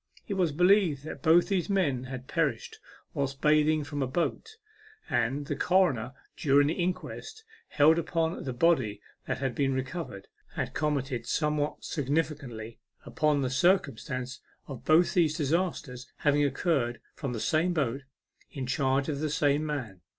It was believed that both these men had perished whilst bathing from a boat, and the coroner, during the inquest held upon the body that had been recovered, had commented somewhat significantly upon the circumstance of both these disasters having occurred from the same boat, in charge of the same man.